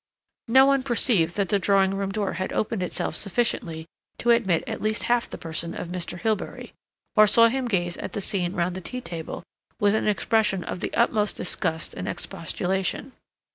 No one perceived that the drawing room door had opened itself sufficiently to admit at least half the person of Mr. Hilbery, or saw him gaze at the scene round the tea table with an expression of the utmost disgust and expostulation.